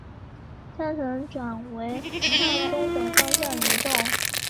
象神转为向东北方向移动。